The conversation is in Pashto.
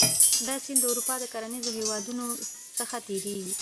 دا سیند د اروپا د کرنیزو هېوادونو څخه تیریږي.